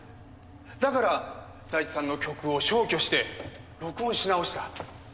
だから財津さんの曲を消去して録音し直した。